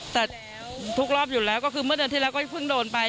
แต่ทุกรอบอยู่แล้วก็คือเมื่อเดือนที่แล้วก็เพิ่งโดนไป